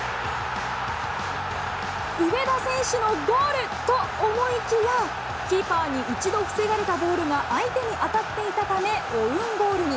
上田選手のゴールと思いきや、キーパーに一度防がれたボールが相手に当たっていたためオウンゴールに。